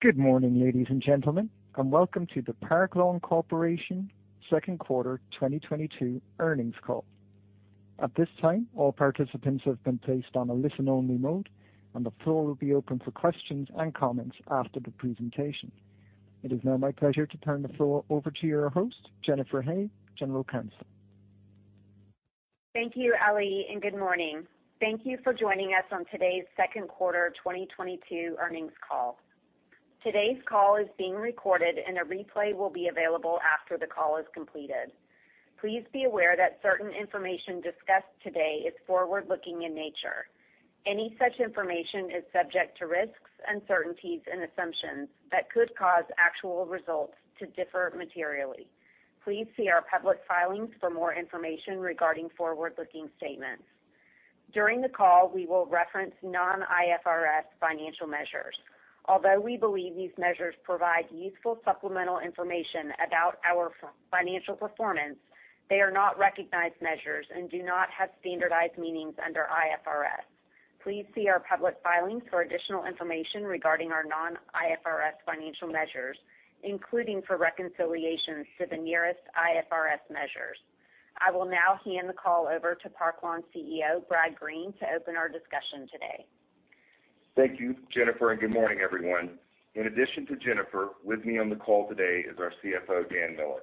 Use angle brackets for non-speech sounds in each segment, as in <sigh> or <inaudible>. Good morning, ladies and gentlemen, and welcome to the Park Lawn Corporation Q2 2022 earnings call. At this time, all participants have been placed on a listen-only mode, and the floor will be open for questions and comments after the presentation. It is now my pleasure to turn the floor over to your host, Jennifer Hay, General Counsel. Thank you, Ellie, and good morning. Thank you for joining us on today's Q2 2022 earnings call. Today's call is being recorded, and a replay will be available after the call is completed. Please be aware that certain information discussed today is forward-looking in nature. Any such information is subject to risks, uncertainties, and assumptions that could cause actual results to differ materially. Please see our public filings for more information regarding forward-looking statements. During the call, we will reference non-IFRS financial measures. Although we believe these measures provide useful supplemental information about our financial performance, they are not recognized measures and do not have standardized meanings under IFRS. Please see our public filings for additional information regarding our non-IFRS financial measures, including for reconciliations to the nearest IFRS measures. I will now hand the call over to Park Lawn CEO, Brad Green, to open our discussion today. Thank you, Jennifer, and good morning, everyone. In addition to Jennifer, with me on the call today is our CFO, Dan Miller.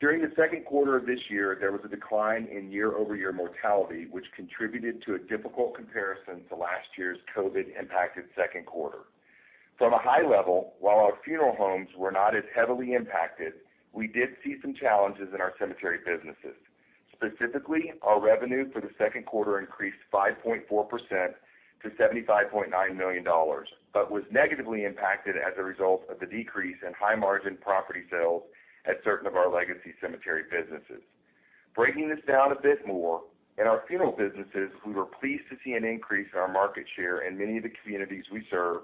During the Q2 of this year, there was a decline in year-over-year mortality, which contributed to a difficult comparison to last year's COVID-impacted Q2. From a high level, while our funeral homes were not as heavily impacted, we did see some challenges in our cemetery businesses. Specifically, our revenue for the Q2 increased 5.4% to 75.9 million dollars, but was negatively impacted as a result of the decrease in high-margin property sales at certain of our legacy cemetery businesses. Breaking this down a bit more, in our funeral businesses we were pleased to see an increase in our market share in many of the communities we serve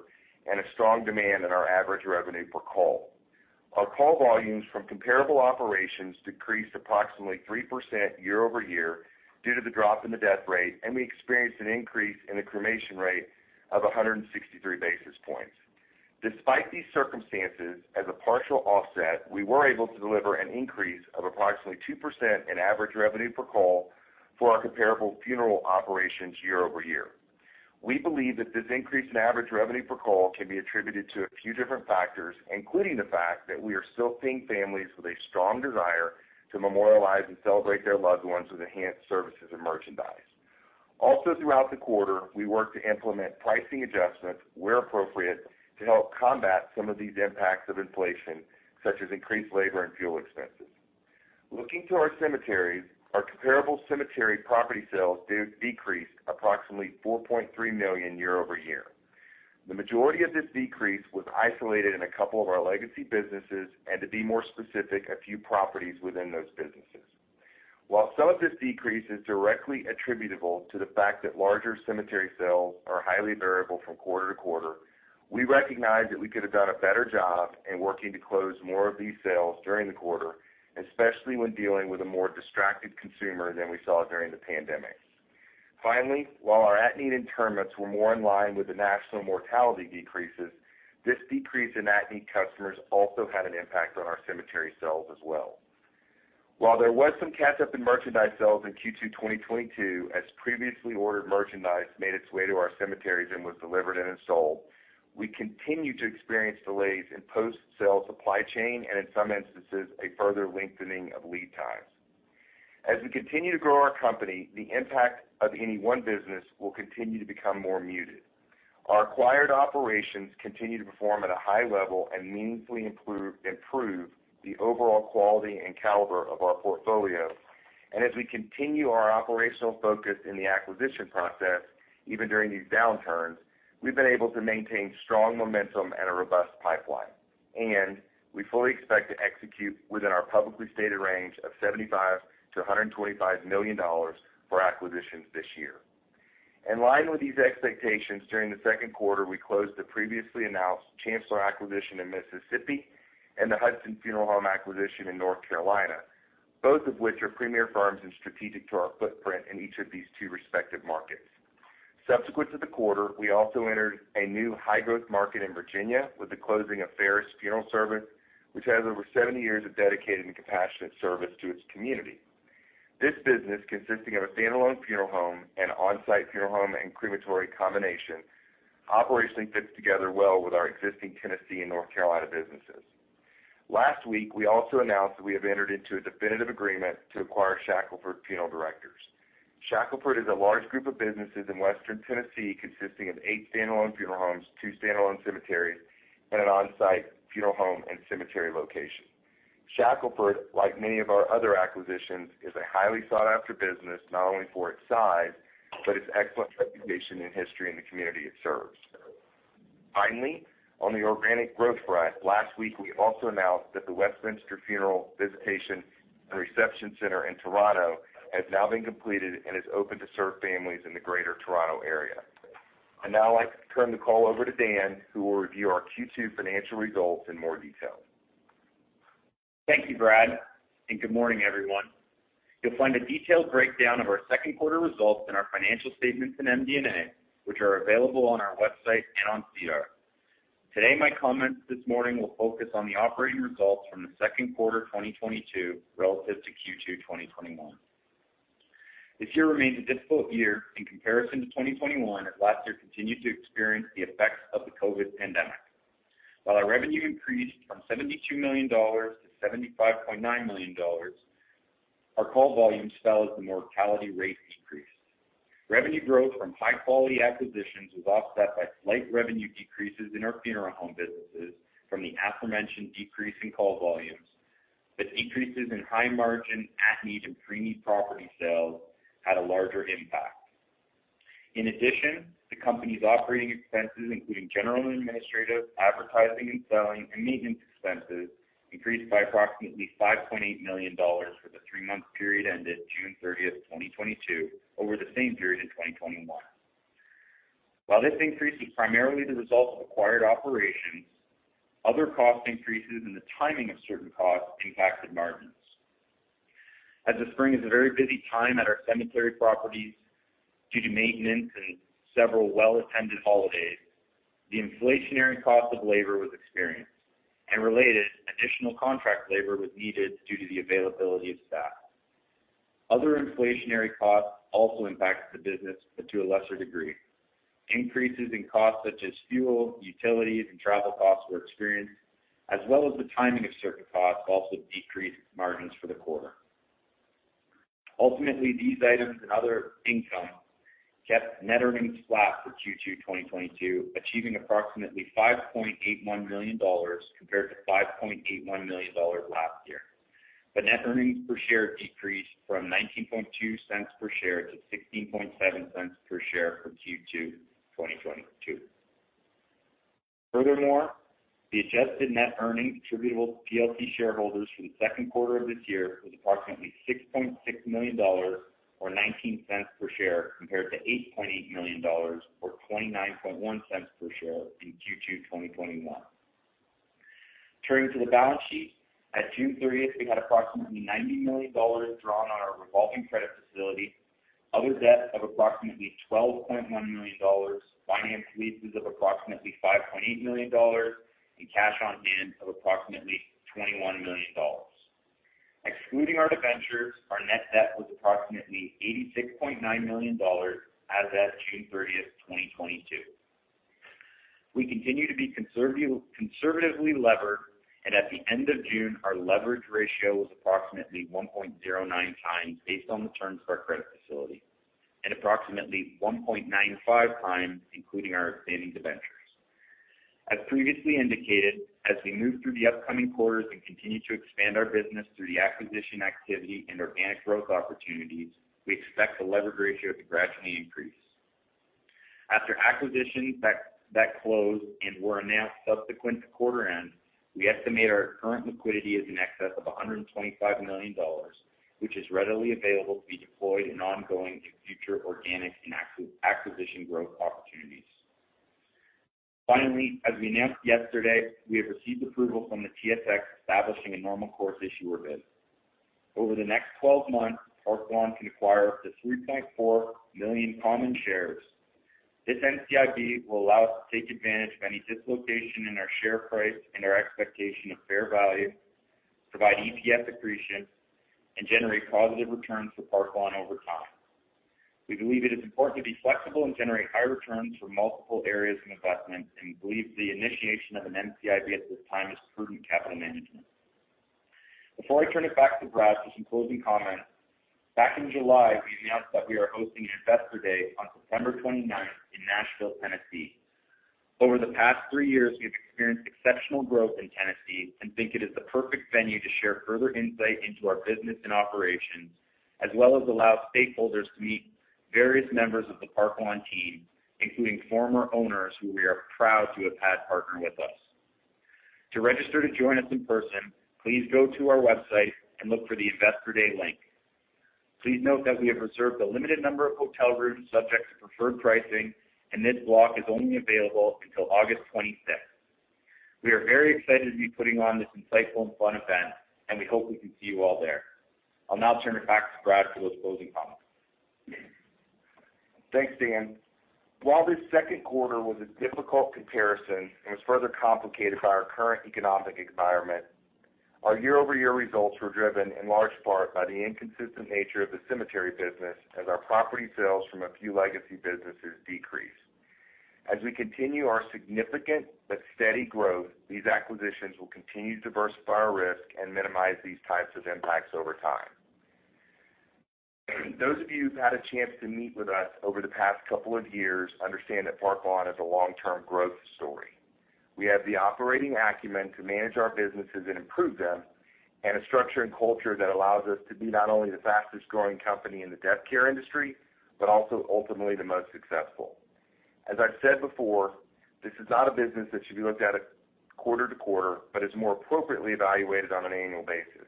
and a strong demand in our average revenue per call. Our call volumes from comparable operations decreased approximately 3% year-over-year due to the drop in the death rate, and we experienced an increase in the cremation rate of 163 basis points. Despite these circumstances, as a partial offset, we were able to deliver an increase of approximately 2% in average revenue per call for our comparable funeral operations year-over-year. We believe that this increase in average revenue per call can be attributed to a few different factors, including the fact that we are still seeing families with a strong desire to memorialize and celebrate their loved ones with enhanced services and merchandise. Also throughout the quarter, we worked to implement pricing adjustments where appropriate to help combat some of these impacts of inflation, such as increased labor and fuel expenses. Looking to our cemeteries, our comparable cemetery property sales decreased approximately 4.3 million year-over-year. The majority of this decrease was isolated in a couple of our legacy businesses and to be more specific, a few properties within those businesses. While some of this decrease is directly attributable to the fact that larger cemetery sales are highly variable from quarter to quarter, we recognize that we could have done a better job in working to close more of these sales during the quarter, especially when dealing with a more distracted consumer than we saw during the pandemic. Finally, while our at-need interments were more in line with the national mortality decreases, this decrease in at-need customers also had an impact on our cemetery sales as well. While there was some catch-up in merchandise sales in Q2 2022 as previously ordered merchandise made its way to our cemeteries and was delivered and installed, we continue to experience delays in post-sale supply chain and in some instances, a further lengthening of lead times. As we continue to grow our company, the impact of any one business will continue to become more muted. Our acquired operations continue to perform at a high level and meaningfully improve the overall quality and caliber of our portfolio. As we continue our operational focus in the acquisition process, even during these downturns, we've been able to maintain strong momentum and a robust pipeline. We fully expect to execute within our publicly stated range of 75 million to 125 million dollars for acquisitions this year. In line with these expectations, during the Q2, we closed the previously announced Chancellor acquisition in Mississippi and the Hudson Funeral Home acquisition in North Carolina, both of which are premier firms and strategic to our footprint in each of these two respective markets. Subsequent to the quarter, we also entered a new high-growth market in Virginia with the closing of Farris Funeral Service, which has over 70 years of dedicated and compassionate service to its community. This business, consisting of a standalone funeral home and on-site funeral home and crematory combination, operationally fits together well with our existing Tennessee and North Carolina businesses. Last week, we also announced that we have entered into a definitive agreement to acquire Shackelford Funeral Directors. Shackelford is a large group of businesses in Western Tennessee consisting of eight standalone funeral homes, two standalone cemeteries, and an on-site funeral home and cemetery location. Shackelford, like many of our other acquisitions, is a highly sought-after business, not only for its size, but its excellent reputation and history in the community it serves. Finally, on the organic growth front, last week we also announced that the Westminster Funeral, Visitation and Reception Centre in Toronto has now been completed and is open to serve families in the Greater Toronto Area. I'd now like to turn the call over to Dan, who will review our Q2 financial results in more detail. Thank you, Brad, and good morning, everyone. You'll find a detailed breakdown of our Q2 results in our financial statements in MD&A, which are available on our website and on SEDAR. Today, my comments this morning will focus on the operating results from the Q2 2022 relative to Q2 2021. This year remains a difficult year in comparison to 2021 as last year continued to experience the effects of the COVID pandemic. While our revenue increased from 72 million dollars to 75.9 million dollars, our call volume fell as the mortality rate increased. Revenue growth from high-quality acquisitions was offset by slight revenue decreases in our funeral home businesses from the aforementioned decrease in call volumes, but decreases in high margin at-need and pre-property sales had a larger impact. In addition, the company's operating expenses, including general and administrative, advertising and selling, and maintenance expenses, increased by approximately 5.8 million dollars for the three month period ended 30 June, 2022 over the same period in 2021. While this increase is primarily the result of acquired operations, other cost increases and the timing of certain costs impacted margins. As the spring is a very busy time at our cemetery properties due to maintenance and several well-attended holidays, the inflationary cost of labor was experienced and related additional contract labor was needed due to the availability of staff. Other inflationary costs also impacted the business, but to a lesser degree. Increases in costs such as fuel, utilities, and travel costs were experienced as well as the timing of certain costs also decreased margins for the quarter. Ultimately, these items and other income kept net earnings flat for Q2 2022, achieving approximately 5.81 million dollars compared to 5.81 million dollars last year. Net earnings per share decreased from 19.2 per share to 16.7 per share for Q2 2022. Furthermore, the adjusted net earnings attributable to PLC shareholders for the Q2 of this year was approximately 6.6 million dollars or 0.19 per share compared to 8.8 million dollars or 29.1 per share in Q2 2021. Turning to the balance sheet, at 30 June, we had approximately 90 million dollars drawn on our revolving credit facility, other debt of approximately 12.1 million dollars, finance leases of approximately 5.8 million dollars, and cash on hand of approximately 21 million dollars. Excluding our debentures, our net debt was approximately 86.9 million dollars as of 30 June, 2022. We continue to be conservatively levered, and at the end of June, our leverage ratio was approximately 1.09x based on the terms of our credit facility and approximately 1.95x, including our outstanding debentures. As previously indicated, as we move through the upcoming quarters and continue to expand our business through the acquisition activity and organic growth opportunities, we expect the leverage ratio to gradually increase. After acquisitions that closed and were announced subsequent to quarter end, we estimate our current liquidity is in excess of 125 million dollars, which is readily available to be deployed in ongoing and future organic and acquisition growth opportunities. Finally, as we announced yesterday, we have received approval from the TSX establishing a normal course issuer bid. Over the next 12 months, Park Lawn can acquire up to 3.4 million common shares. This NCIB will allow us to take advantage of any dislocation in our share price and our expectation of fair value, provide EPS accretion, and generate positive returns for Park Lawn over time. We believe it is important to be flexible and generate high returns for multiple areas of investment and believe the initiation of an NCIB at this time is prudent capital management. Before I turn it back to Brad for some closing comments, back in July, we announced that we are hosting Investor Day on 29th September in Nashville, Tennessee. Over the past three years, we have experienced exceptional growth in Tennessee and think it is the perfect venue to share further insight into our business and operations, as well as allow stakeholders to meet various members of the Park Lawn team, including former owners who we are proud to have had partner with us. To register to join us in person, please go to our website and look for the Investor Day link. Please note that we have reserved a limited number of hotel rooms subject to preferred pricing, and this block is only available until 26th August. We are very excited to be putting on this insightful and fun event, and we hope we can see you all there. I'll now turn it back to Brad for those closing comments. Thanks, Dan. While this Q2 was a difficult comparison and was further complicated by our current economic environment, our year-over-year results were driven in large part by the inconsistent nature of the cemetery business as our property sales from a few legacy businesses decreased. As we continue our significant but steady growth, these acquisitions will continue to diversify our risk and minimize these types of impacts over time. Those of you who've had a chance to meet with us over the past couple of years understand that Park Lawn is a long-term growth story. We have the operating acumen to manage our businesses and improve them, and a structure and culture that allows us to be not only the fastest-growing company in the death care industry, but also ultimately the most successful. As I've said before, this is not a business that should be looked at quarter to quarter, but is more appropriately evaluated on an annual basis.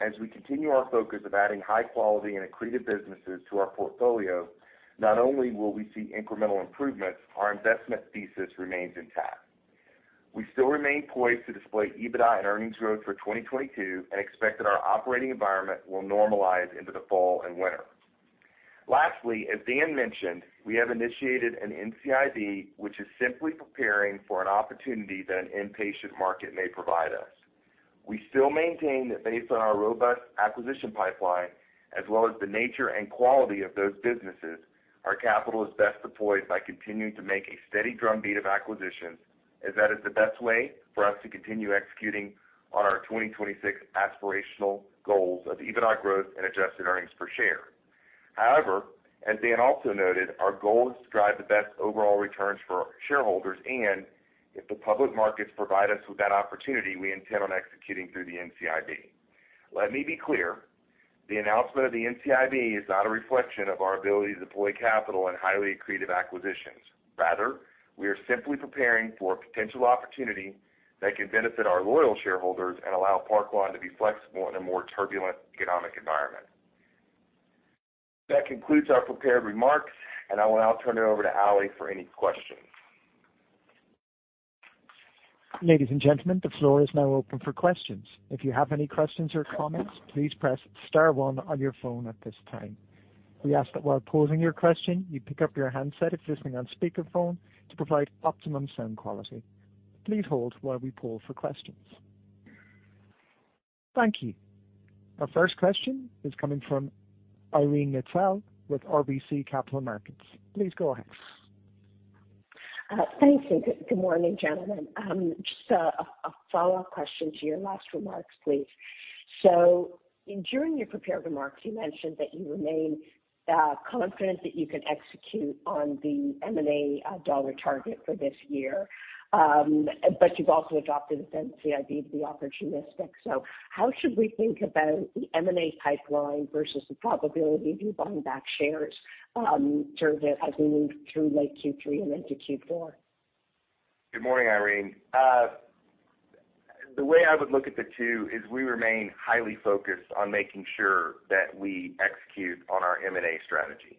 As we continue our focus of adding high quality and accretive businesses to our portfolio, not only will we see incremental improvements, our investment thesis remains intact. We still remain poised to display EBITDA and earnings growth for 2022 and expect that our operating environment will normalize into the fall and winter. Lastly, as Dan mentioned, we have initiated an NCIB, which is simply preparing for an opportunity that an impatient market may provide us. We still maintain that based on our robust acquisition pipeline, as well as the nature and quality of those businesses, our capital is best deployed by continuing to make a steady drumbeat of acquisitions as that is the best way for us to continue executing on our 2026 aspirational goals of EBITDA growth and adjusted earnings per share. However, as Dan also noted, our goal is to drive the best overall returns for shareholders. If the public markets provide us with that opportunity, we intend on executing through the NCIB. Let me be clear. The announcement of the NCIB is not a reflection of our ability to deploy capital in highly accretive acquisitions. Rather, we are simply preparing for a potential opportunity that can benefit our loyal shareholders and allow Park Lawn to be flexible in a more turbulent economic environment. That concludes our prepared remarks, and I will now turn it over to Ali for any questions. Ladies and gentlemen, the floor is now open for questions. If you have any questions or comments, please press star one on your phone at this time. We ask that while posing your question, you pick up your handset if listening on speakerphone to provide optimum sound quality. Please hold while we poll for questions. Thank you. Our first question is coming from Irene Nattel with RBC Capital Markets. Please go ahead. Thank you. Good morning, gentlemen. Just a follow-up question to your last remarks, please. During your prepared remarks, you mentioned that you remain confident that you can execute on the M&A dollar target for this year. You've also adopted the NCIB to be opportunistic. How should we think about the M&A pipeline versus the probability of you buying back shares, sort of as we move through late Q3 and into Q4? Good morning, Irene. The way I would look at the two is we remain highly focused on making sure that we execute on our M&A strategy.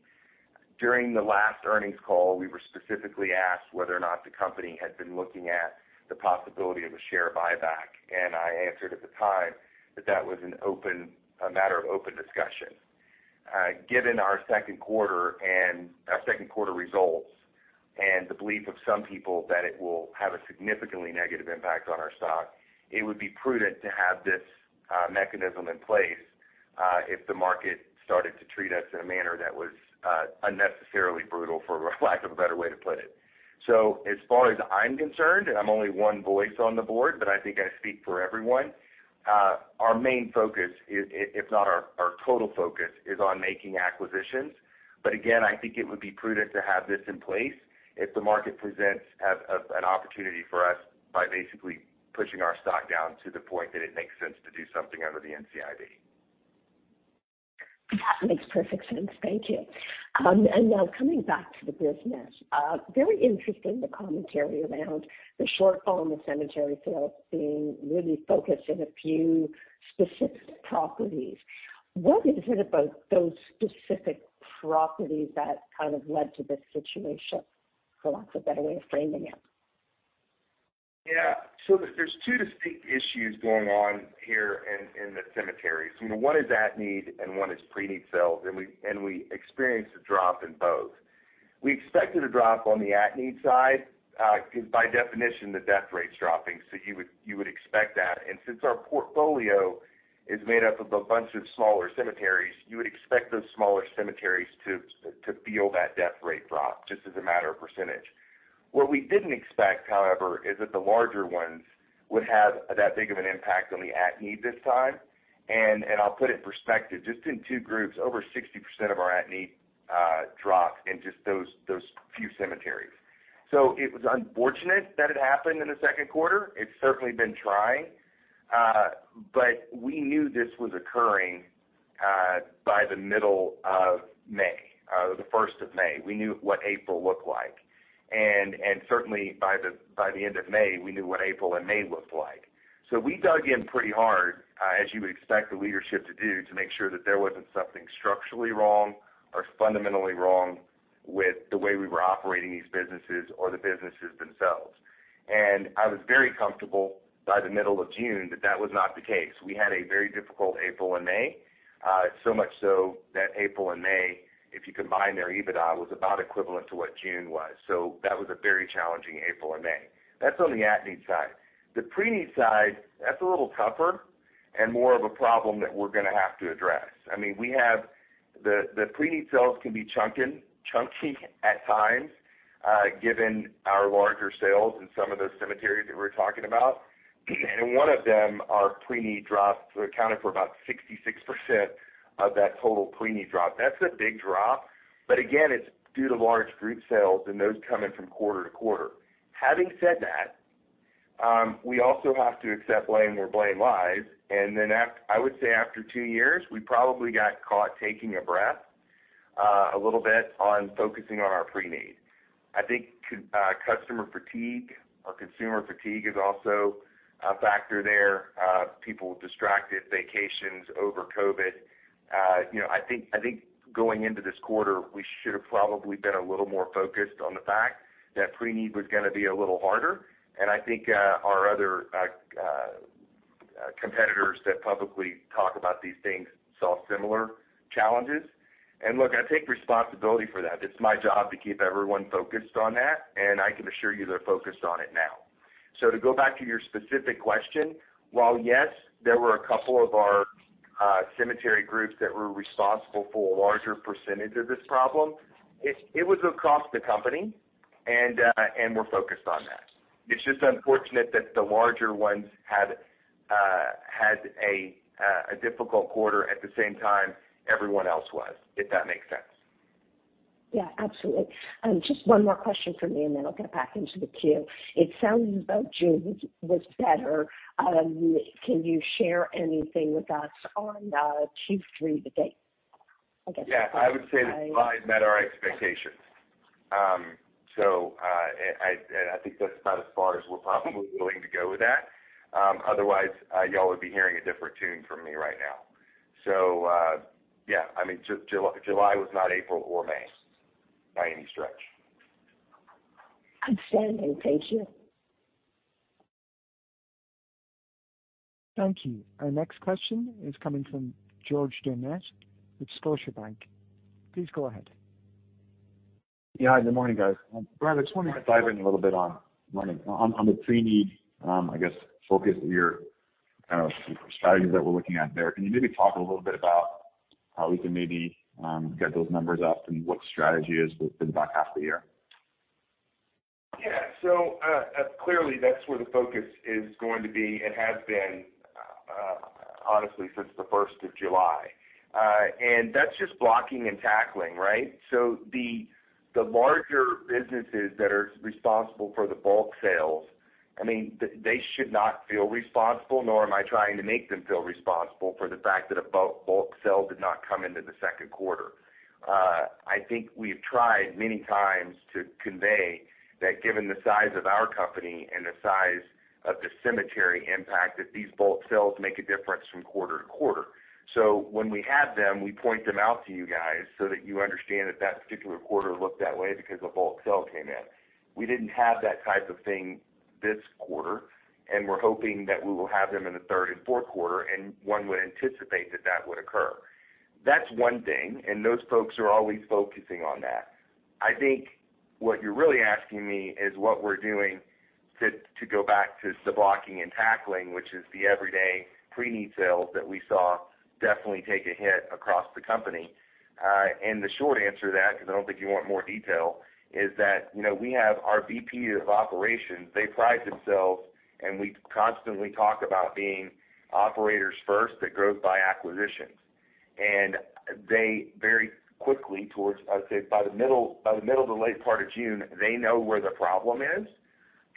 During the last earnings call, we were specifically asked whether or not the company had been looking at the possibility of a share buyback, and I answered at the time that that was a matter of open discussion. Given our Q2 and our Q2 results, and the belief of some people that it will have a significantly negative impact on our stock, it would be prudent to have this mechanism in place if the market started to treat us in a manner that was unnecessarily brutal, for lack of a better way to put it. As far as I'm concerned, and I'm only one voice on the board, but I think I speak for everyone, our main focus, if not our total focus, is on making acquisitions. Again, I think it would be prudent to have this in place if the market presents an opportunity for us by basically pushing our stock down to the point that it makes sense to do something under the NCIB. That makes perfect sense. Thank you. Now coming back to the business, very interesting, the commentary around the shortfall in the cemetery sales being really focused in a few specific properties. What is it about those specific properties that kind of led to this situation? For lack of a better way of framing it. Yeah. There's two distinct issues going on here in the cemeteries. You know, one is at-need and one is pre-need sales. We experienced a drop in both. We expected a drop on the at-need side, because by definition, the death rate's dropping, so you would expect that. Since our portfolio is made up of a bunch of smaller cemeteries, you would expect those smaller cemeteries to feel that death rate drop just as a matter of percentage. What we didn't expect, however, is that the larger ones would have that big of an impact on the at-need this time. I'll put it in perspective, just in two groups, over 60% of our at-need dropped in just those few cemeteries. It was unfortunate that it happened in the Q2. It's certainly been trying, but we knew this was occurring by the middle of May, the 1st May. We knew what April looked like. Certainly by the end of May, we knew what April and May looked like. We dug in pretty hard, as you would expect the leadership to do, to make sure that there wasn't something structurally wrong or fundamentally wrong with the way we were operating these businesses or the businesses themselves. I was very comfortable by the middle of June that that was not the case. We had a very difficult April and May. So much so that April and May, if you combine their EBITDA, was about equivalent to what June was. That was a very challenging April and May. That's on the at-need side. The pre-need side, that's a little tougher and more of a problem that we're gonna have to address. I mean, we have pre-need sales can be chunky at times, given our larger sales in some of those cemeteries that we're talking about. One of them, our pre-need drops accounted for about 66% of that total pre-need drop. That's a big drop, but again, it's due to large group sales and those coming from quarter to quarter. Having said that, we also have to accept blame where blame lies. I would say after two years, we probably got caught taking a breath, a little bit on focusing on our pre-need. I think, customer fatigue or consumer fatigue is also a factor there. People distracted, vacations over COVID. You know, I think going into this quarter, we should have probably been a little more focused on the fact that pre-need was gonna be a little harder, and I think our other competitors that publicly talk about these things saw similar challenges. Look, I take responsibility for that. It's my job to keep everyone focused on that, and I can assure you they're focused on it now. To go back to your specific question, while yes, there were a couple of our cemetery groups that were responsible for a larger percentage of this problem, it was across the company and we're focused on that. It's just unfortunate that the larger ones had a difficult quarter at the same time everyone else was, if that makes sense. Yeah, absolutely. Just one more question for me, and then I'll get back into the queue. It sounds as though June was better. Can you share anything with us on Q3 to date? I guess. Yeah, I would say that July met our expectations. I think that's about as far as we're probably willing to go with that. Otherwise, y'all would be hearing a different tune from me right now. Yeah, I mean, July was not April or May by any stretch. Understanding. Thank you. Thank you. Our next question is coming from George Doumet with Scotiabank. Please go ahead. Yeah. Good morning, guys. Brad, I just wanted to dive in a little bit on the pre-need, I guess, focus of your kind of strategies that we're looking at there. Can you maybe talk a little bit about how we can maybe get those numbers up and what strategy is with the back half of the year? Clearly, that's where the focus is going to be and has been, honestly since the 1st July. That's just blocking and tackling, right? The larger businesses that are responsible for the bulk sales, I mean, they should not feel responsible, nor am I trying to make them feel responsible for the fact that a bulk sale did not come into the Q2. I think we've tried many times to convey that given the size of our company and the size of the cemetery impact, that these bulk sales make a difference from quarter to quarter. When we have them, we point them out to you guys so that you understand that that particular quarter looked that way because a bulk sale came in. We didn't have that type of thing this quarter, and we're hoping that we will have them in the third and Q4, and one would anticipate that would occur. That's one thing, and those folks are always focusing on that. I think what you're really asking me is what we're doing to go back to the blocking and tackling, which is the everyday pre-need sales that we saw definitely take a hit across the company. The short answer to that, cause you want more detail, is that, you know, we have our VPs of operations, they pride themselves, and we constantly talk about being operators first that grows by acquisitions. They very quickly toward, I'd say, by the middle to late part of June, they know where the problem is,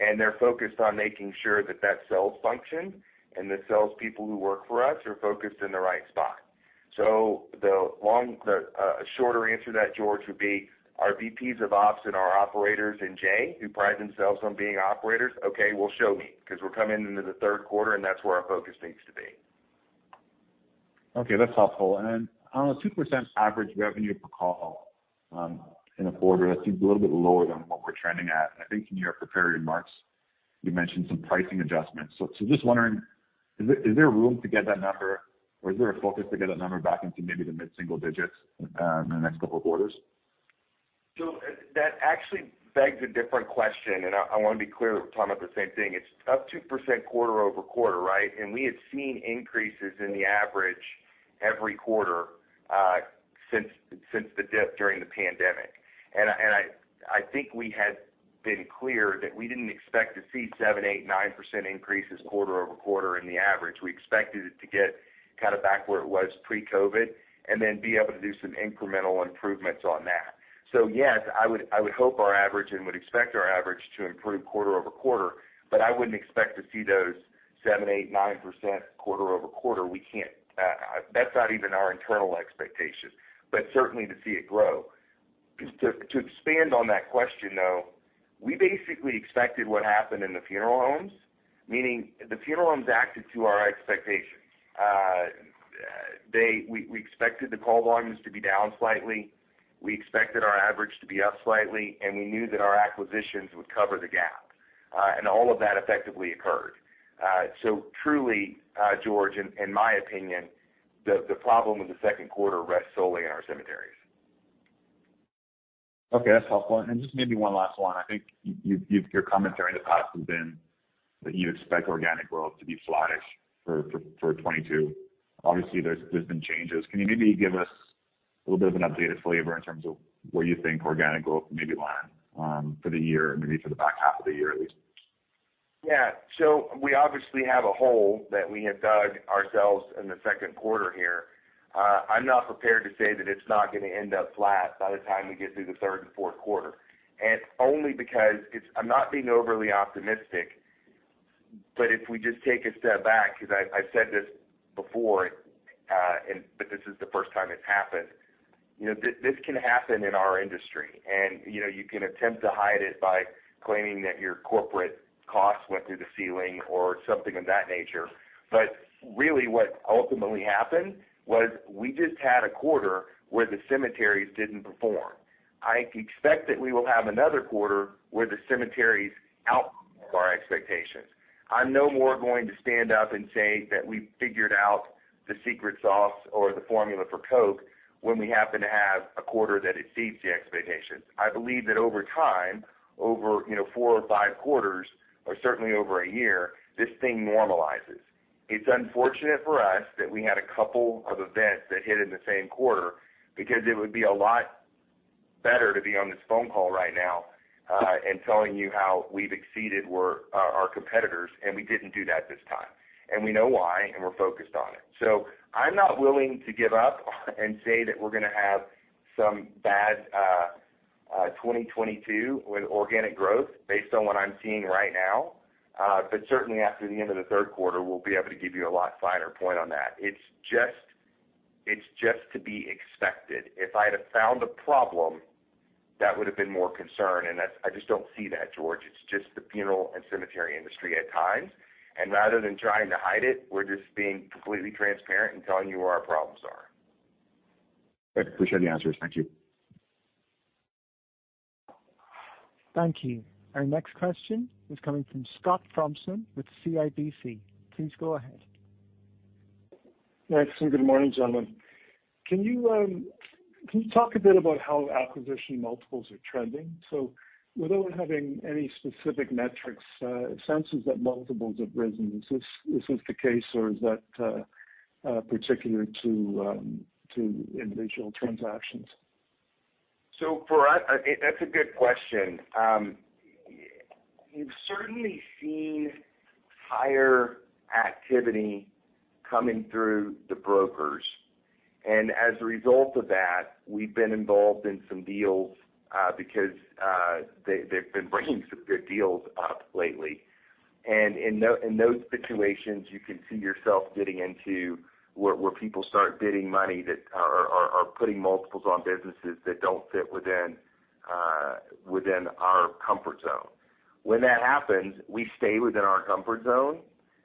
and they're focused on making sure that the sales function and the salespeople who work for us are focused in the right spot. The shorter answer to that, George, would be our VPs of ops and our operators and Jay, who pride themselves on being operators, okay, well, show me cause we're coming into the Q3, and that's where our focus needs to be. Okay. That's helpful. On a 2% average revenue per call in a quarter, that seems a little bit lower than what we're trending at. I think in your prepared remarks, you mentioned some pricing adjustments. Just wondering, is there room to get that number, or is there a focus to get that number back into maybe the mid-single digits in the next couple of quarters? That actually begs a different question, and I wanna be clear that we're talking about the same thing. It's up 2% quarter-over-quarter, right? We had seen increases in the average every quarter since the dip during the pandemic. I think we had been clear that we didn't expect to see 7%, 8%, 9% increases quarter-over-quarter in the average. We expected it to get kinda back where it was pre-COVID, and then be able to do some incremental improvements on that. Yes, I would hope our average and would expect our average to improve quarter-over-quarter, but I wouldn't expect to see those 7%, 8%, 9% quarter-over-quarter. That's not even our internal expectation, but certainly to see it grow. To expand on that question, though, we basically expected what happened in the funeral homes, meaning the funeral homes acted to our expectations. We expected the call volumes to be down slightly. We expected our average to be up slightly, and we knew that our acquisitions would cover the gap, and all of that effectively occurred. Truly, George, in my opinion, the problem with the Q2 rests solely in our cemeteries. Okay. That's helpful. Just maybe one last one. I think your commentary in the past has been that you expect organic growth to be flattish for 2022. Obviously, there's been changes. Can you maybe give us a little bit of an updated flavor in terms of where you think organic growth may be landing for the year and maybe for the back half of the year at least? Yeah. We obviously have a hole that we have dug ourselves in the Q2 here. I'm not prepared to say that it's not gonna end up flat by the time we get through the third and Q4. Only because it's I'm not being overly optimistic. If we just take a step back, because I've said this before, but this is the first time it's happened. You know, this can happen in our industry, and, you know, you can attempt to hide it by claiming that your corporate costs went through the ceiling or something of that nature. Really what ultimately happened was we just had a quarter where the cemeteries didn't perform. I expect that we will have another quarter where the cemeteries outpace our expectations. I'm no more going to stand up and say that we figured out the secret sauce or the formula for Coke when we happen to have a quarter that exceeds the expectations. I believe that over time, four or five quarters, or certainly over a year, this thing normalizes. It's unfortunate for us that we had a couple of events that hit in the same quarter because it would be a lot better to be on this phone call right now, and telling you how we've exceeded our competitors, and we didn't do that this time. We know why, and we're focused on it. I'm not willing to give up and say that we're gonna have some bad 2022 with organic growth based on what I'm seeing right now. But certainly after the end of the Q3, we'll be able to give you a lot finer point on that. It's just to be expected. If I'd have found a problem, that would have been more concern, and that's. I just don't see that, George. It's just the funeral and cemetery industry at times. Rather than trying to hide it, we're just being completely transparent and telling you where our problems are. I appreciate the answers. Thank you. Thank you. Our next question is coming from Scott Thompson with CIBC. Please go ahead. Thanks, good morning, gentlemen. Can you talk a bit about how acquisition multiples are trending? Without having any specific metrics, it seems that multiples have risen. Is this the case, or is that particular to individual transactions? For us. That's a good question. We've certainly seen higher activity coming through the brokers. As a result of that, we've been involved in some deals, because they've been bringing some good deals up lately. In those situations, you can see yourself getting into where people start bidding money that are putting multiples on businesses that don't fit within our comfort zone. When that happens, we stay within our comfort zone,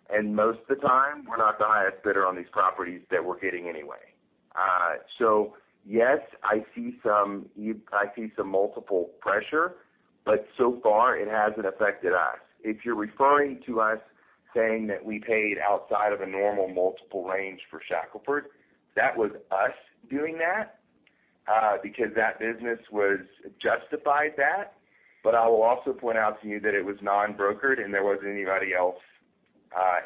and most of the time, we're not the highest bidder on these properties that we're getting anyway. Yes, I see some multiple pressure, but so far, it hasn't affected us. If you're referring to us saying that we paid outside of a normal multiple range for Shackelford, that was us doing that, because that business was justified that. I will also point out to you that it was non-brokered, and there wasn't anybody else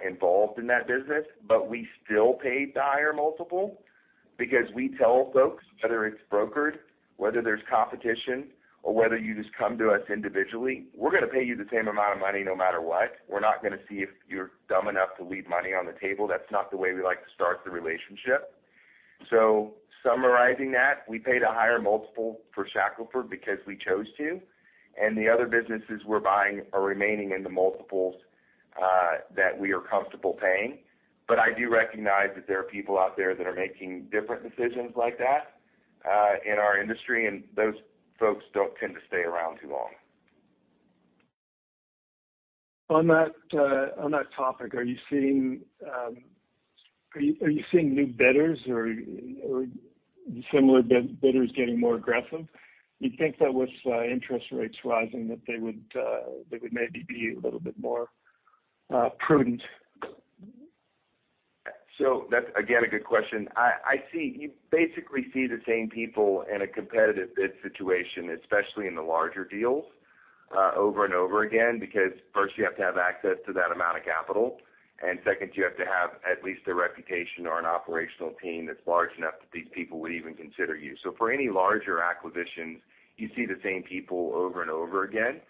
involved in that business. We still paid the higher multiple because we tell folks whether it's brokered, whether there's competition, or whether you just come to us individually, we're gonna pay you the same amount of money no matter what. We're not gonna see if you're dumb enough to leave money on the table. That's not the way we like to start the relationship. Summarizing that, we paid a higher multiple for Shackelford because we chose to, and the other businesses we're buying are remaining in the multiples that we are comfortable paying. I do recognize that there are people out there that are making different decisions like that in our industry, and those folks don't tend to stay around too long. On that topic, are you seeing new bidders or similar bidders getting more aggressive? You'd think that with interest rates rising that they would maybe be a little bit more prudent. That's again a good question. I see you basically see the same people in a competitive bid situation, especially in the larger deals, over and over again, because first you have to have access to that amount of capital, and second, you have to have at least a reputation or an operational team that's large enough that these people would even consider you. For any larger acquisitions, you see the same people over and over again.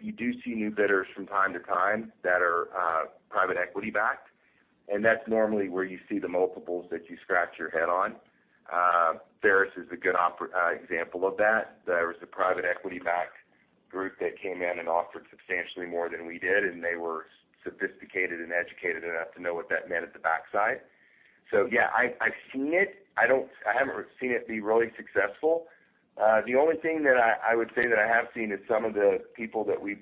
You do see new bidders from time to time that are private equity backed, and that's normally where you see the multiples that you scratch your head on. Farris is a good example of that. There was a private equity backed group that came in and offered substantially more than we did, and they were sophisticated and educated enough to know what that meant at the backside. Yeah, I've seen it. I haven't seen it be really successful. The only thing that I would say that I have seen is some of the people that we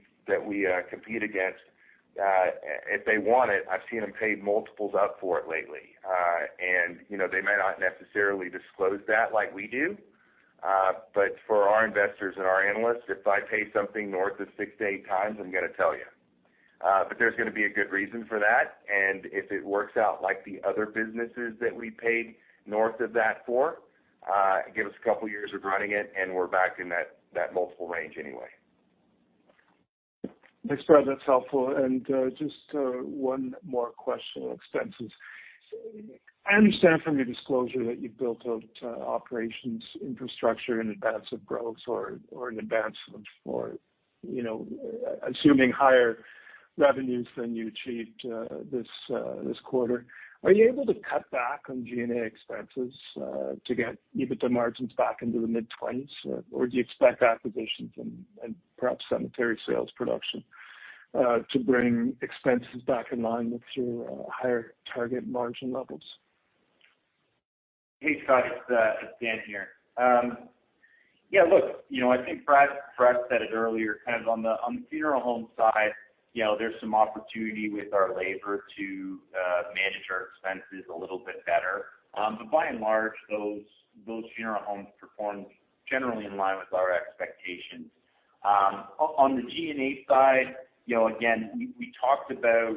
compete against, if they want it, I've seen them pay multiples up for it lately. You know, they may not necessarily disclose that like we do. For our investors and our analysts, if I pay something north of 6x to 8x, I'm gonna tell you. There's gonna be a good reason for that, and if it works out like the other businesses that we paid north of that for, give us a couple of years of running it, and we're back in that multiple range anyway. Thanks, Brad. That's helpful. Just one more question on expenses. I understand from your disclosure that you've built out operations infrastructure in advance of growth or in advance of, you know, assuming higher revenues than you achieved this quarter. Are you able to cut back on G&A expenses to get EBITDA margins back into the mid 20%? Or do you expect acquisitions and perhaps cemetery sales production to bring expenses back in line with your higher target margin levels? Hey, Scott. It's Dan here. Yeah, look, you know, I think Brad said it earlier, kind of on the funeral home side, you know, there's some opportunity with our labor to manage our expenses a little bit better. By and large, those funeral homes performed generally in line with our expectations. On the G&A side, you know, again, we talked about.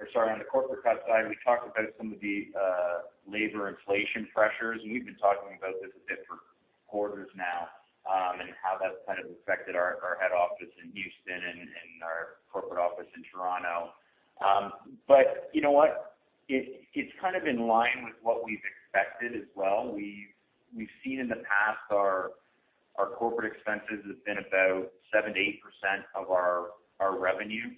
Or sorry, on the corporate cost side, we talked about some of the labor inflation pressures, and we've been talking about this a bit for quarters now, and how that's kind of affected our head office in Houston and our corporate office in Toronto. But you know what? It's kind of in line with what we've expected as well. We've seen in the past our corporate expenses has been about 7% to 8% of our revenue.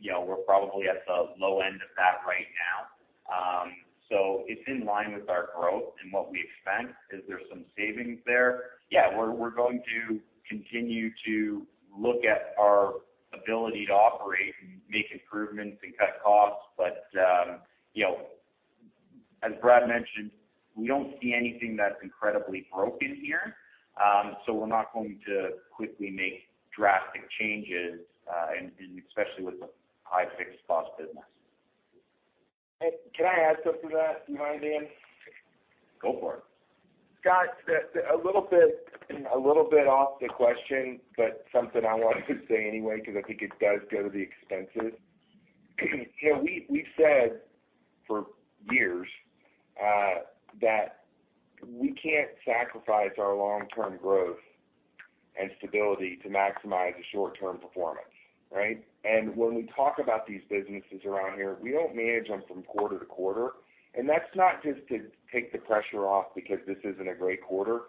You know, we're probably at the low end of that right now. It's in line with our growth and what we expect. Is there some savings there? Yeah, we're going to continue to look at our ability to operate and make improvements and cut costs. You know, as Brad mentioned, we don't see anything that's incredibly broken here. We're not going to quickly make drastic changes and especially with the high fixed cost business. Can I add something to that? Do you mind, Dan? Go for it. Scott, a little bit off the question, but something I wanted to say anyway because I think it does go to the expenses. You know, we've said for years that we can't sacrifice our long-term growth and stability to maximize the short-term performance, right? When we talk about these businesses around here, we don't manage them from quarter to quarter, and that's not just to take the pressure off because this isn't a great quarter.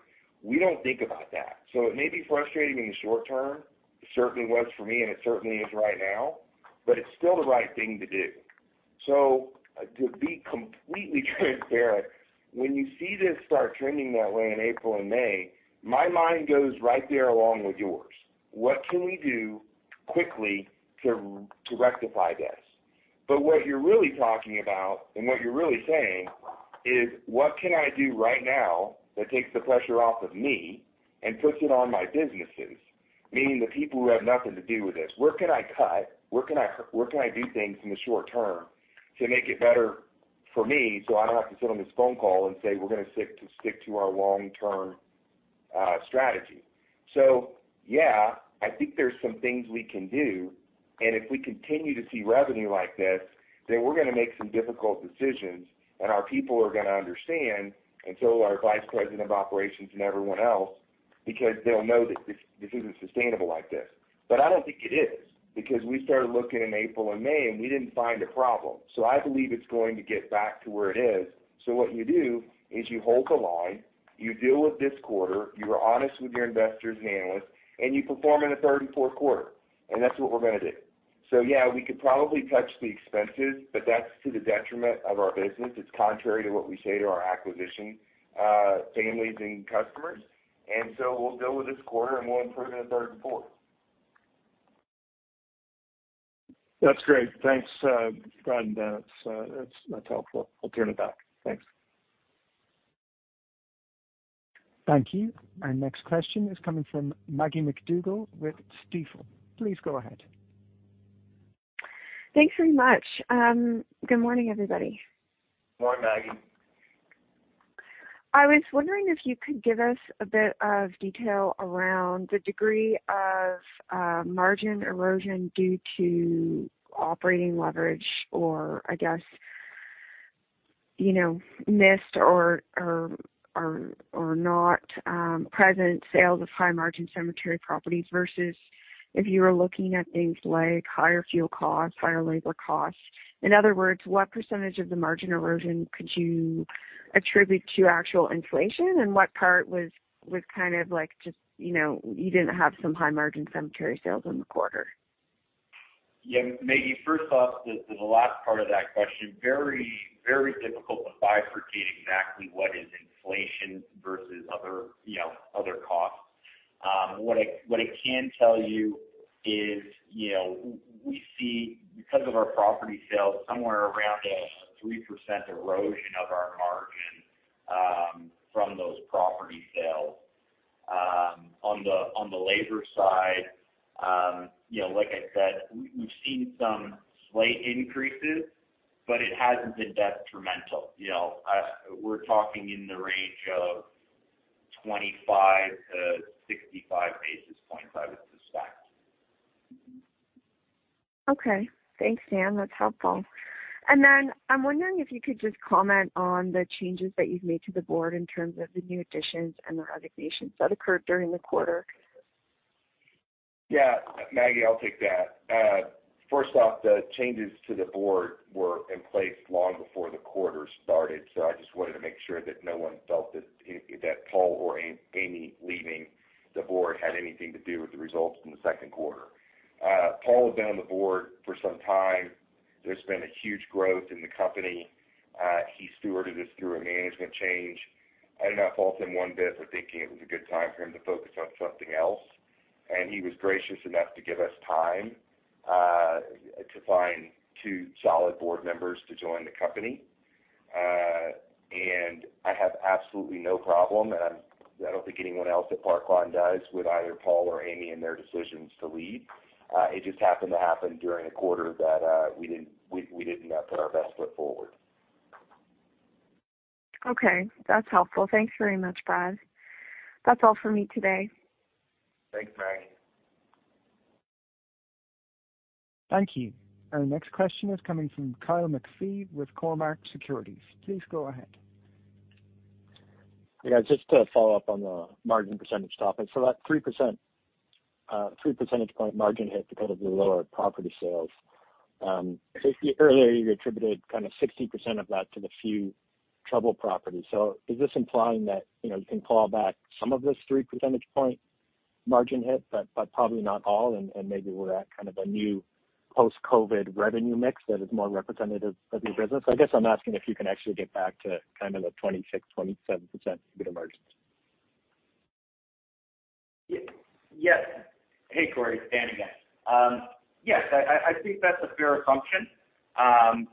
We don't think about that. It may be frustrating in the short term. It certainly was for me, and it certainly is right now, but it's still the right thing to do. To be completely transparent, when you see this start trending that way in April and May, my mind goes right there along with yours. What can we do quickly to rectify this? What you're really talking about, and what you're really saying is, what can I do right now that takes the pressure off of me and puts it on my businesses, meaning the people who have nothing to do with this? Where can I cut? Where can I do things in the short term to make it better for me, so I don't have to sit on this phone call and say, we're gonna stick to our long-term strategy? Yeah, I think there's some things we can do, and if we continue to see revenue like this, then we're gonna make some difficult decisions, and our people are gonna understand and so will our vice president of operations and everyone else, because they'll know that this isn't sustainable like this. I don't think it is, because we started looking in April and May, and we didn't find a problem. I believe it's going to get back to where it is. What you do is you hold the line. You deal with this quarter. You are honest with your investors and analysts, and you perform in the third and Q4, and that's what we're gonna do. Yeah, we could probably touch the expenses, but that's to the detriment of our business. It's contrary to what we say to our acquisition, families and customers. We'll deal with this quarter, and we'll improve in the third and fourth. That's great. Thanks, Brad and Dan. That's helpful. I'll peel it back. Thanks. Thank you. Our next question is coming from Maggie MacDougall with Stifel. Please go ahead. Thanks very much. Good morning, everybody. Morning, Maggie. I was wondering if you could give us a bit of detail around the degree of margin erosion due to operating leverage or I guess, you know, missed or not present sales of high-margin cemetery properties versus if you were looking at things like higher fuel costs, higher labor costs. In other words, what percentage of the margin erosion could you attribute to actual inflation and what part was kind of like just, you know, you didn't have some high-margin cemetery sales in the quarter? Yeah, Maggie, first off, the last part of that question, very difficult to bifurcate exactly what is inflation versus other, you know, other costs. What I can tell you is, you know, we see because of our property sales, somewhere around a 3% erosion of our margin from those property sales. On the labor side, you know, like I said, we've seen some slight increases, but it hasn't been detrimental. You know, we're talking in the range of 25 basis points to 65 basis points, I would suspect. Okay. Thanks, Dan. That's helpful. I'm wondering if you could just comment on the changes that you've made to the board in terms of the new additions and the resignations that occurred during the quarter. Yeah. Maggie, I'll take that. First off, the changes to the board were in place long before the quarter started. I just wanted to make sure that no one felt that Paul or Amy leaving the board had anything to do with the results in the Q2. Paul has been on the board for some time. There's been a huge growth in the company. He stewarded us through a management change. I do not fault him one bit for thinking it was a good time for him to focus on something else, and he was gracious enough to give us time to find two solid board members to join the company. I have absolutely no problem, and I don't think anyone else at Park Lawn does, with either Paul or Amy in their decisions to leave. It just happened to happen during a quarter that we didn't put our best foot forward. Okay. That's helpful. Thanks very much, Brad. That's all for me today. Thanks, Maggie. Thank you. Our next question is coming from Kyle McPhee with Cormark Securities. Please go ahead. Yeah, just to follow up on the margin percentage topic. That 3 percentage point margin hit because of the lower property sales. I think earlier you attributed kind of 60% of that to the few troubled properties. Is this implying that, you know, you can claw back some of this 3 percentage point margin hit, but probably not all, and maybe we're at kind of a new post-COVID revenue mix that is more representative of the business? I guess I'm asking if you can actually get back to kind of the 26% to 27% EBIT margins? Yes. Hey, Kyle. Dan again. Yes, I think that's a fair assumption.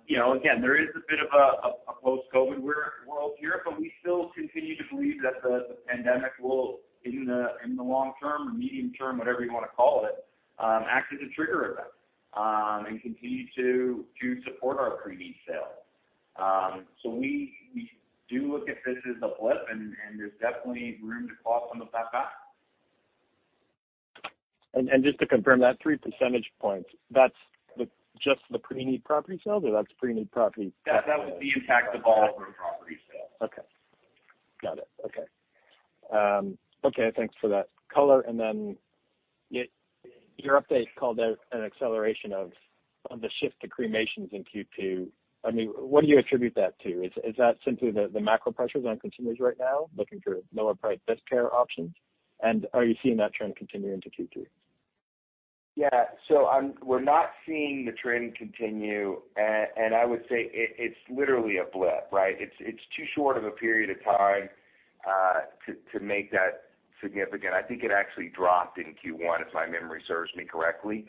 You know, again, there is a bit of a post-COVID world here, but we still continue to believe that the pandemic will, in the long term or medium term, whatever you wanna call it, act as a trigger event and continue to support our pre-need sales. So we do look, <inaudible> and there's definitely room to claw some of that back. Just to confirm, that 3 percentage points, that's just the pre-need property sales or that's pre-need property. <crosstalk> That was the impact of all of our property sales. Okay. Got it. Okay. Okay, thanks for that color. Your update called out an acceleration of the shift to cremations in Q2. I mean, what do you attribute that to? Is that simply the macro pressures on consumers right now looking for lower-priced death care options? Are you seeing that trend continue into Q3? We're not seeing the trend continue. I would say it's literally a blip, right? It's too short of a period of time to make that significant. I think it actually dropped in Q1, if my memory serves me correctly.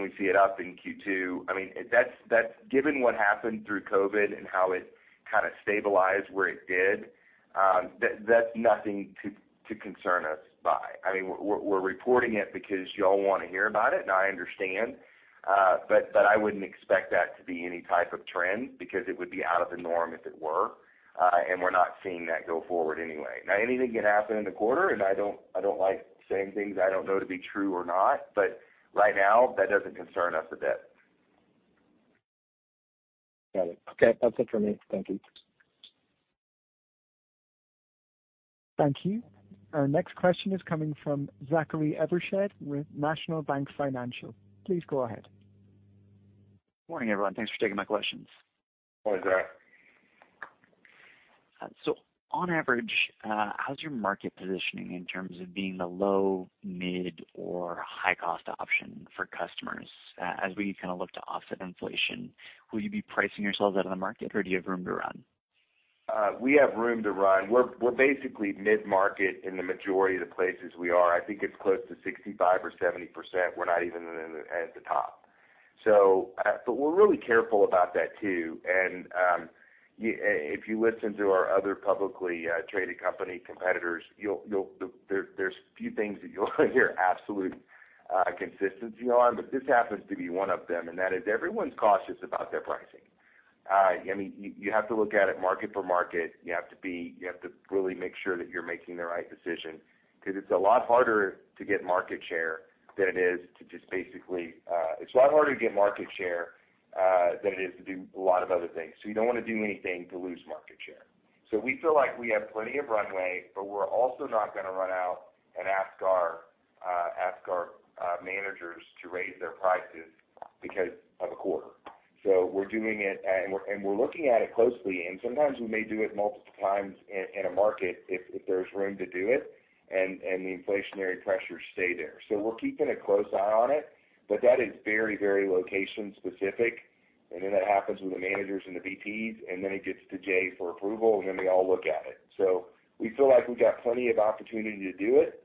We see it up in Q2. I mean, that's, given what happened through COVID and how it kinda stabilized where it did, nothing to concern us by. I mean, we're reporting it because y'all wanna hear about it, and I understand. But I wouldn't expect that to be any type of trend because it would be out of the norm if it were. We're not seeing that go forward anyway. Now, anything can happen in the quarter, and I don't like saying things I don't know to be true or not, but right now, that doesn't concern us a bit. Got it. Okay. That's it for me. Thank you. Thank you. Our next question is coming from Zachary Evershed with National Bank Financial. Please go ahead. Morning, everyone. Thanks for taking my questions. Morning, Zach. On average, how's your market positioning in terms of being the low, mid, or high cost option for customers? As we kinda look to offset inflation, will you be pricing yourselves out of the market, or do you have room to run? We have room to run. We're basically mid-market in the majority of the places we are. I think it's close to 65% or 70%. We're not even at the top. We're really careful about that too. If you listen to our other publicly traded company competitors, you'll hear few things with absolute consistency on, but this happens to be one of them, and that is everyone is cautious about their pricing. You have to look at it market per market. You have to really make sure that you're making the right decision, 'cause it's a lot harder to get market share than it is to just basically. It's a lot harder to get market share than it is to do a lot of other things. You don't wanna do anything to lose market share. We feel like we have plenty of runway, but we're also not gonna run out and ask our managers to raise their prices because of a quarter. We're doing it and we're looking at it closely, and sometimes we may do it multiple times in a market if there's room to do it and the inflationary pressures stay there. We're keeping a close eye on it, but that is very, very location specific. Then that happens with the managers and the VPs, and then it gets to Jay for approval, and then we all look at it. We feel like we've got plenty of opportunity to do it,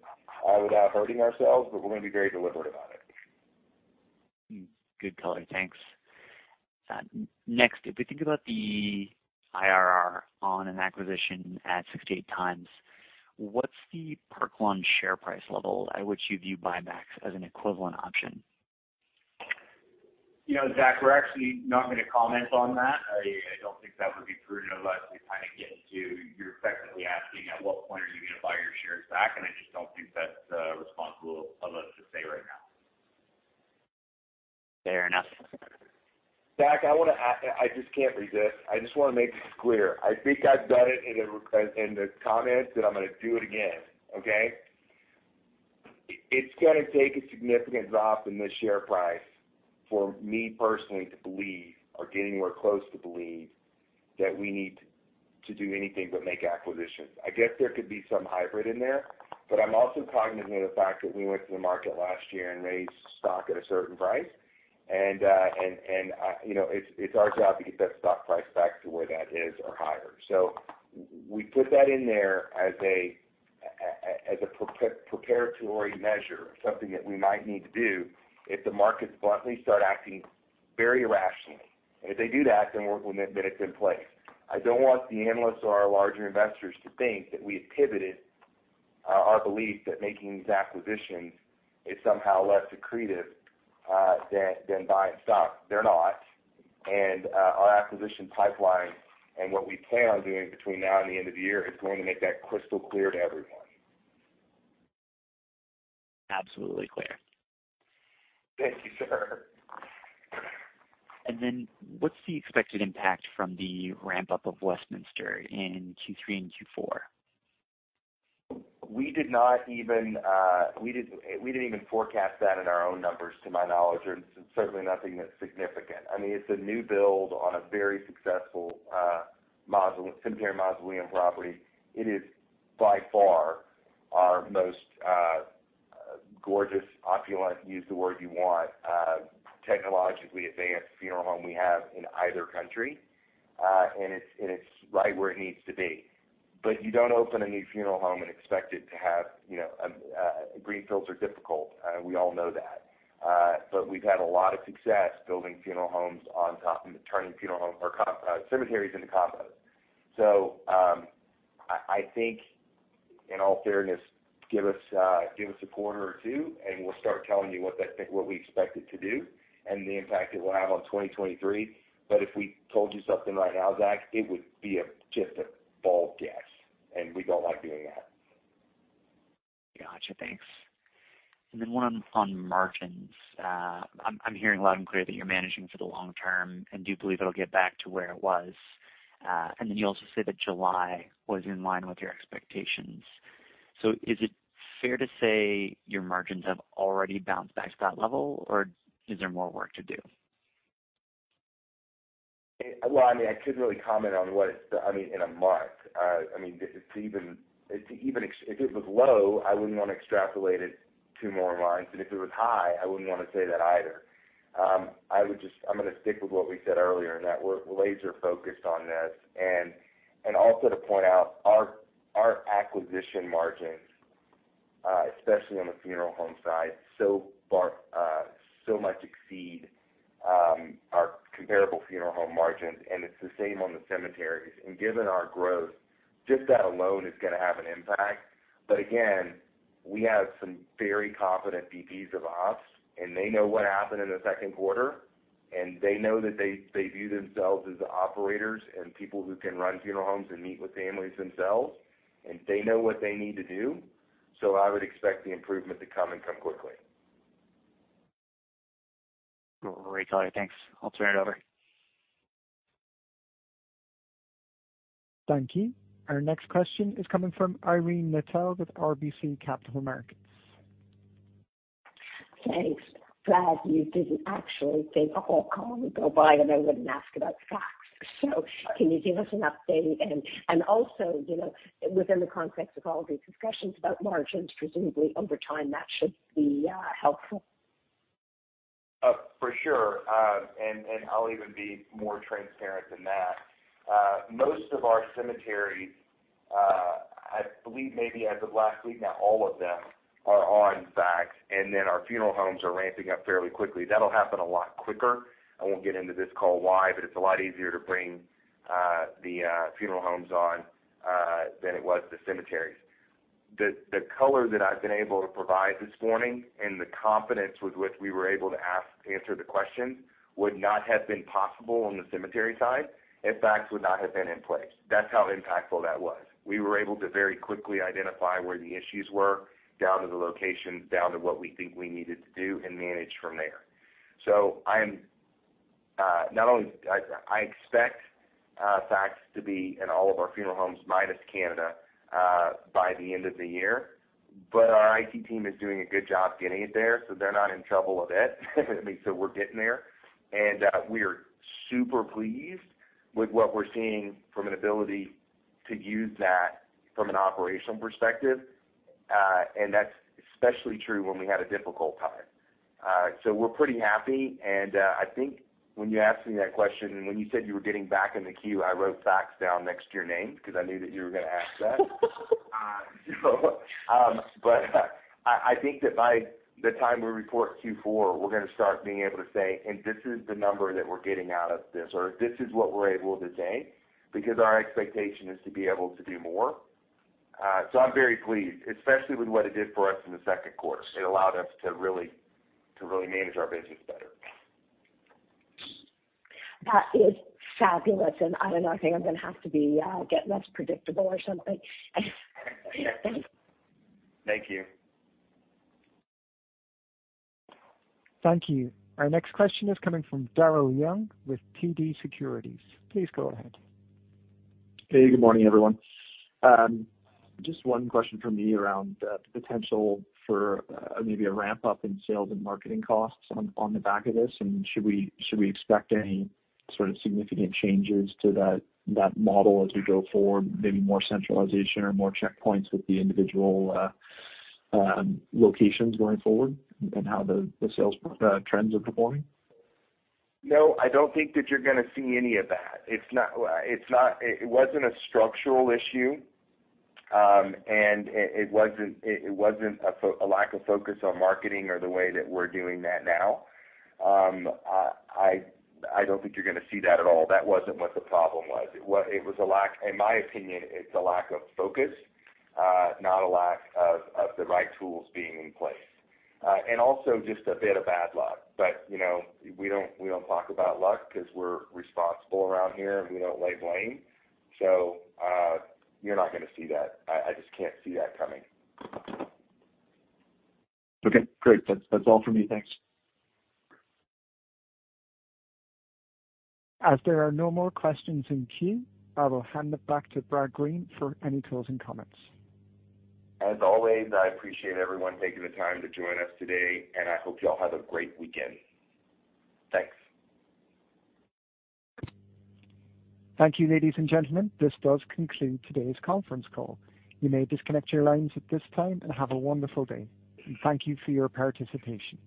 without hurting ourselves, but we're gonna be very deliberate about it. Good color. Thanks. Next, if we think about the IRR on an acquisition at 68x, what's the Park Lawn share price level at which you view buybacks as an equivalent option? You know, Zach, we're actually not gonna comment on that. I don't think that would be prudent of us to kinda get into. You're effectively asking at what point are you gonna buy your shares back, and I just don't think that's responsible of us to say right now. Fair enough. Zach, I just can't resist. I just wanna make this clear. I think I've done it in the comments, and I'm gonna do it again, okay? It's gonna take a significant drop in the share price for me personally to believe or get anywhere close to believe that we need to do anything but make acquisitions. I guess there could be some hybrid in there, but I'm also cognizant of the fact that we went to the market last year and raised stock at a certain price and you know, it's our job to get that stock price back to where that is or higher. We put that in there as a preparatory measure of something that we might need to do if the markets bluntly start acting very irrationally. If they do that, it's in place. I don't want the analysts or our larger investors to think that we have pivoted our belief that making these acquisitions is somehow less accretive than buying stock. They're not. Our acquisition pipeline and what we plan on doing between now and the end of the year is going to make that crystal clear to everyone. Absolutely clear. Thank you, sir. What's the expected impact from the ramp-up of Westminster in Q3 and Q4? We didn't even forecast that in our own numbers, to my knowledge, or it's certainly nothing that's significant. I mean, it's a new build on a very successful mausoleum property. It is by far our most gorgeous, opulent, use the word you want, technologically advanced funeral home we have in either country. It's right where it needs to be. You don't open a new funeral home and expect it to have, you know, greenfields are difficult, we all know that. We've had a lot of success building funeral homes on top and turning funeral homes or cemeteries into combos. I think in all fairness, give us a quarter or two, and we'll start telling you what that. What we expect it to do and the impact it will have on 2023. If we told you something right now, Zach, it would be a just a bald guess, and we don't like doing that. Gotcha. Thanks. One on margins. I'm hearing loud and clear that you're managing for the long term and do believe it'll get back to where it was. You also say that July was in line with your expectations. Is it fair to say your margins have already bounced back to that level, or is there more work to do? Well, I mean, I couldn't really comment on what it's in a vacuum. I mean, it's even. If it was low, I wouldn't wanna extrapolate it two more lines, and if it was high, I wouldn't wanna say that either. I'm gonna stick with what we said earlier, and that we're laser focused on this. And also to point out our acquisition margins, especially on the funeral home side, so far, so much exceed our comparable funeral home margins, and it's the same on the cemeteries. Given our growth, just that alone is gonna have an impact. Again, we have some very confident VPs of ops, and they know what happened in the Q2, and they know that they view themselves as operators and people who can run funeral homes and meet with families themselves, and they know what they need to do. I would expect the improvement to come and come quickly. Great. thanks. I'll turn it over. Thank you. Our next question is coming from Irene Nattel with RBC Capital Markets. Thanks. Brad, you didn't actually think the whole call would go by and I wouldn't ask about FACTS. Can you give us an update? Also, you know, within the context of all of these discussions about margins, presumably over time, that should be helpful. For sure. I'll even be more transparent than that. Most of our cemeteries, I believe maybe as of last week, now all of them are on FACTS, and then our funeral homes are ramping up fairly quickly. That'll happen a lot quicker. I won't get into this call why, but it's a lot easier to bring the funeral homes on than it was the cemeteries. The color that I've been able to provide this morning and the confidence with which we were able to answer the question would not have been possible on the cemetery side if FACTS would not have been in place. That's how impactful that was. We were able to very quickly identify where the issues were, down to the locations, down to what we think we needed to do and manage from there. I expect FACTS to be in all of our funeral homes minus Canada by the end of the year, but our IT team is doing a good job getting it there, so they're not in trouble a bit. I mean, we're getting there. We're super pleased with what we're seeing from an ability to use that from an operational perspective. That's especially true when we had a difficult time. We're pretty happy. I think when you asked me that question and when you said you were getting back in the queue, I wrote FACTS down next to your name because I knew that you were gonna ask that. I think that by the time we report Q4, we're gonna start being able to say, "this is the number that we're getting out of this," or, "This is what we're able to say," because our expectation is to be able to do more. I'm very pleased, especially with what it did for us in the Q2. It allowed us to really manage our business better. That is fabulous. I don't know, I think I'm gonna have to get less predictable or something. Thanks. Thank you. Thank you. Our next question is coming from Daryl Young with TD Securities. Please go ahead. Hey, good morning, everyone. Just one question from me around the potential for maybe a ramp-up in sales and marketing costs on the back of this. Should we expect any sort of significant changes to that model as we go forward? Maybe more centralization or more checkpoints with the individual locations going forward and how the sales trends are performing? No, I don't think that you're gonna see any of that. It's not a structural issue, and it wasn't a lack of focus on marketing or the way that we're doing that now. I don't think you're gonna see that at all. That wasn't what the problem was. It was a lack. In my opinion, it's a lack of focus, not a lack of the right tools being in place. And also just a bit of bad luck. You know, we don't talk about luck 'cause we're responsible around here, and we don't lay blame. You're not gonna see that. I just can't see that coming. Okay, great. That's all for me. Thanks. As there are no more questions in queue, I will hand it back to Brad Green for any closing comments. As always, I appreciate everyone taking the time to join us today, and I hope you all have a great weekend. Thanks. Thank you, ladies and gentlemen. This does conclude today's conference call. You may disconnect your lines at this time, and have a wonderful day. Thank you for your participation.